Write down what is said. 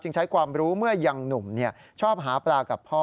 ใช้ความรู้เมื่อยังหนุ่มชอบหาปลากับพ่อ